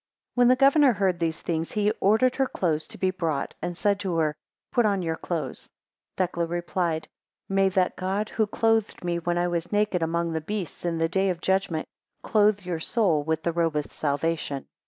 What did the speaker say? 20 When the governor heard these things, he ordered her clothes to be brought, and said to her, Put on your clothes. 21 Thecla replied: May that God who clothed me when I was naked among the beasts, in the day of judgment clothe your soul with the robe of salvation.